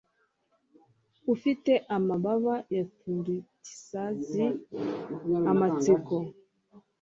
Ufite amababa ya troutisazi amatsiko